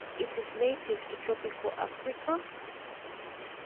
It is native to tropical Africa.